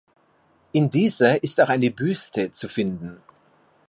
In dieser ist auch eine Büste zu finden.